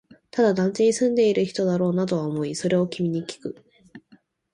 ただ、団地に住んでいる人だろうなとは思い、それを君にきく